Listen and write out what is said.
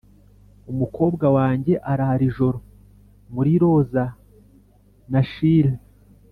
umukobwa wanjye arara ijoro muri roza na shire